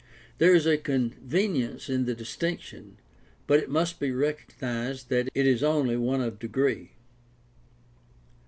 There is a convenience in the distinction, but it must be recognized that it is only one of degree.